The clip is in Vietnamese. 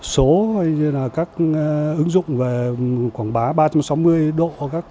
số các ứng dụng về quảng bá ba trăm sáu mươi độ